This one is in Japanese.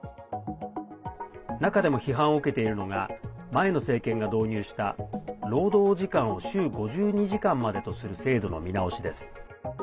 中でも批判を受けているのが前の政権が導入した労働時間を週５２時間までとする制度の見直しです。